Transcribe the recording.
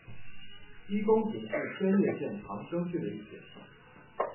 一宫町是千叶县长生郡的一町。